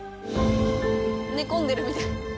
寝込んでるみたい。